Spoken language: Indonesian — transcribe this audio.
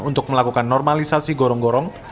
untuk melakukan normalisasi gorong gorong